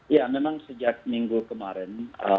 ya memang sejak minggu kemarin